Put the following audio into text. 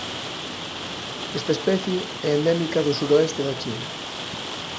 Esta especie é endémica do suroeste da China.